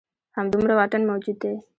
همدومره واټن موجود دی.